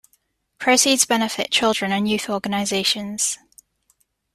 Proceeds benefit children and youth organizations.